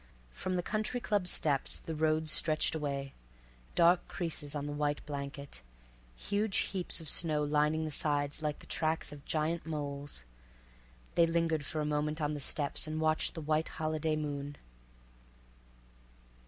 From the Country Club steps the roads stretched away, dark creases on the white blanket; huge heaps of snow lining the sides like the tracks of giant moles. They lingered for a moment on the steps, and watched the white holiday moon.